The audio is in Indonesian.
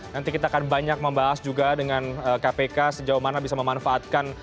nanti kita akan banyak membahas juga dengan kpk sejauh mana bisa memanfaatkan